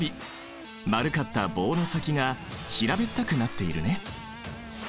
丸かった棒の先が平べったくなっているね。